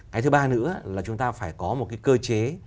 cái thứ ba nữa là chúng ta phải có một cái cơ chế